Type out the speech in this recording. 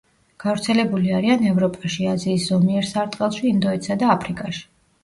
გავრცელებული არიან ევროპაში, აზიის ზომიერ სარტყელში, ინდოეთსა და აფრიკაში.